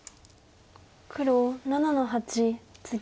黒７の八ツギ。